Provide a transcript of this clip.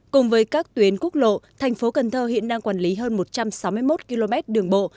cùng với các tuyến quốc lộ thành phố cần thơ hiện đang quản lý hơn một trăm sáu mươi một km đường bộ